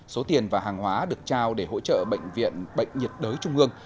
số tiền và hàng hóa được trao để hỗ trợ bệnh viện bệnh nhiệt đới trung ương